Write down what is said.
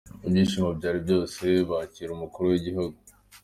Ibyishimo byari byose bakira umukuru w'igihugu.